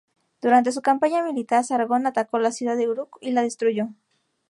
Durante su campaña militar Sargón atacó la ciudad de Uruk y la destruyó.